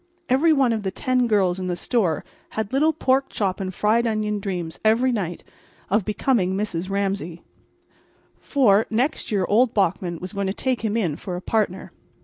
Every one of the ten girls in the store had little pork chop and fried onion dreams every night of becoming Mrs. Ramsay. For, next year old Bachman was going to take him in for a partner.